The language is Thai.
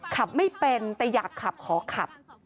ขับไม่เป็นแต่อยากขับขอขับ